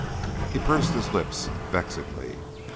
He pursed his lips vexedly.